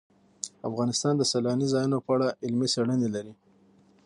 افغانستان د سیلاني ځایونو په اړه علمي څېړنې لري.